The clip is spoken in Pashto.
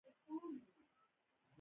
ښه خدمت د بری تر ټولو قوي اعلان دی.